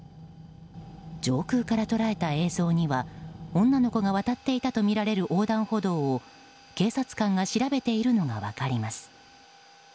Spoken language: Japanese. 上空から捉えた映像には女の子が渡っていたとみられる横断歩道を警察官が調べているのが分かります。